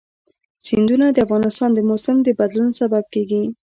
سیندونه د افغانستان د موسم د بدلون سبب کېږي.